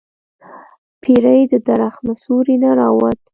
پیری د درخت له سوری نه راووت.